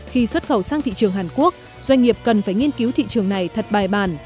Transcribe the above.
khi xuất khẩu sang thị trường hàn quốc doanh nghiệp cần phải nghiên cứu thị trường này thật bài bản